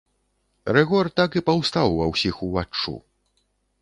Рыгор так і паўстаў ва ўсіх уваччу.